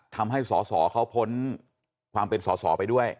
ทำให้สอสอเขาพ้นความเป็นสอสอไปด้วย